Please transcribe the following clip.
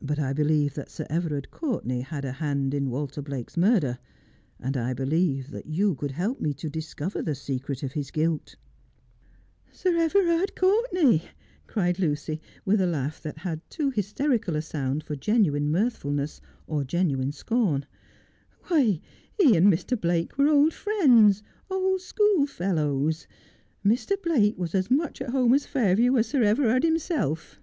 But I believe that Sir Everard Courtenay had a hand in Walter Blake's murder, and I believe that you could help me to dis cover the secret of his guilt.' 172 Just as I Am. 'Sir Everard Court enay !' cried Lucy, with a laugh that had too hysterical a sound for genuine mirthfuluess or genuine scorn. 'Why, lie and Mr. Blake were old friends — old schoolfellows. Mr. Blake was as much at home at Fail view as Sir Everard himself.'